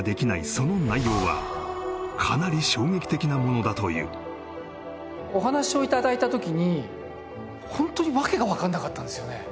その内容はかなり衝撃的なものだというお話をいただいたときにホントにわけが分かんなかったんですよね